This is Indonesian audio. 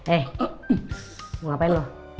eh mau ngapain lu